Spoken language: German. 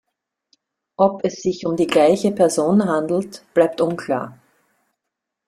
Ob es sich um die gleiche Person handelt, bleibt unklar.